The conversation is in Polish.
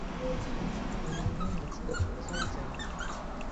I nie miejmy co do tego złudzeń